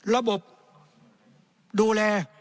ระบบดูแล